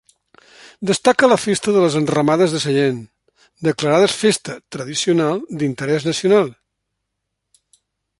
Destaca la festa de les enramades de Sallent, declarades festa tradicional d'interès nacional.